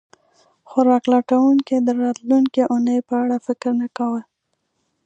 خوراک لټونکي د راتلونکې اوونۍ په اړه فکر نه کاوه.